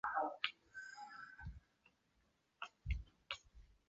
后印象派是印象派发展而来的一种油画流派。